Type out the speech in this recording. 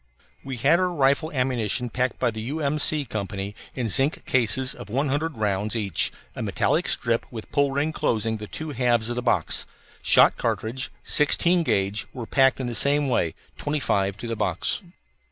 We had our rifle ammunition packed by the U. M. C. Co. in zinc cases of one hundred rounds each, a metallic strip with pull ring closing the two halves of the box. Shot cartridge, sixteen gauge, were packed the same way, twenty five to the box.